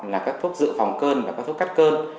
là các thuốc dự phòng cơn và các thuốc cắt cơn